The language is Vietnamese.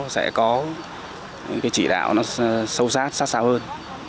sẽ có những cái chỉ đạo nó sâu sát sát sao hơn